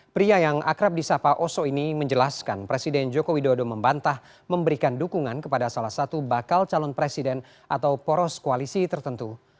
pria yang akrab di sapa oso ini menjelaskan presiden joko widodo membantah memberikan dukungan kepada salah satu bakal calon presiden atau poros koalisi tertentu